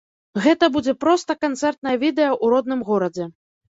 Гэта будзе проста канцэртнае відэа ў родным горадзе.